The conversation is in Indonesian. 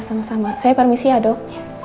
ya sama sama saya permisi ya dok